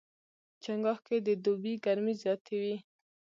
چنګاښ کې د دوبي ګرمۍ زیاتې وي.